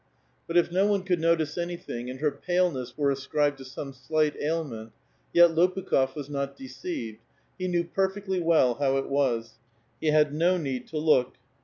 But if no one could notice nything, and her paleness were ascribed to some slight ail ^Knaent, yet Lopukh6f was not deceived ; he knew perfectly how it was ; he had no need to look.